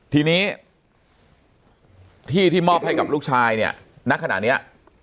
ทีนี้ที่ที่มอบให้กับลูกชายเนี่ยณขณะนี้